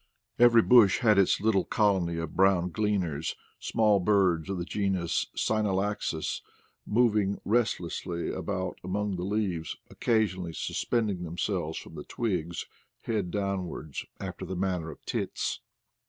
Every bush had its little colony of brown gleaners, small birds of the genus Synallaxis, moving rest lessly about among the leaves, occasionally sus pending themselves from the twigs head down wards, after the manner of tits.